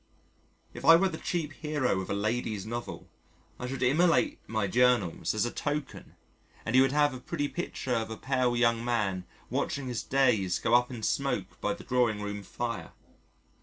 If I were the cheap hero of a ladies' novel I should immolate my journals as a token, and you would have a pretty picture of a pale young man watching his days go up in smoke by the drawing room fire.